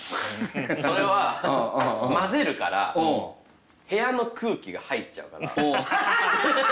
それは混ぜるから部屋の空気が入っちゃうから。